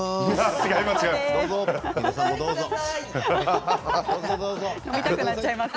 違います。